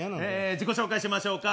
自己紹介しましょうか。